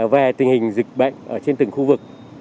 về tình hình dịch bệnh trên từng khu vực